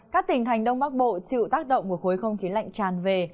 các tỉnh hành đông bắc bộ chịu tác động của khối không khí lạnh tràn về